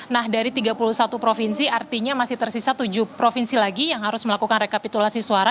nah dari tiga puluh satu provinsi artinya masih tersisa tujuh provinsi lagi yang harus melakukan rekapitulasi suara